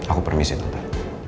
aku permisi tante